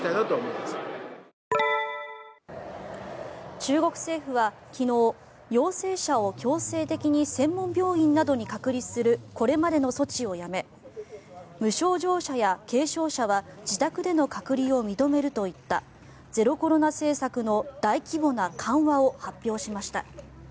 中国政府は昨日陽性者を強制的に専門病院などに隔離するこれまでの措置をやめ無症状者や軽症者は自宅での隔離を認めるといったゼロコロナ政策の大規模な緩和を発表しました。